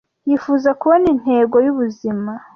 Yifuza kubona intego y'ubuzima.